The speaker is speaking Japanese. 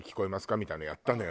みたいのやったのよ